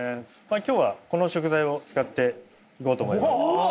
今日はこの食材を使っていこうと思いますわあ！